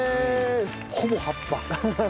ほぼ葉っぱ。